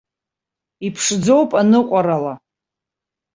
Иԥшӡоуп аныҟәарала.